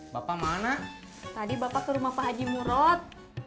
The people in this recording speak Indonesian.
bapak mana tadi bapak ke rumah pak haji murod